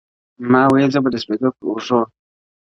ماویل زه به د سپېدو پر اوږو!.